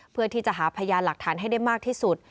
เพื่อหาพยาหลักฐานมากที่สุด